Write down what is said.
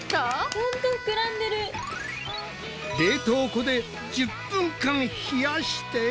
冷凍庫で１０分間冷やして。